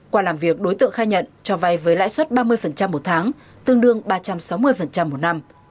qua làm việc đối tượng khai nhận cho vay với lãi suất ba mươi một tháng tương đương ba trăm sáu mươi một năm